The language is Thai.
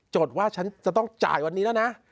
๘จำว่าเราต้องจ่ายชำระหนี้วันไหน